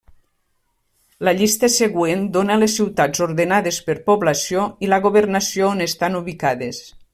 La llista següent dóna les ciutats ordenades per població i la governació on estan ubicades.